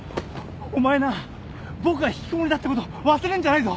お前な僕が引きこもりだってこと忘れんじゃないぞ！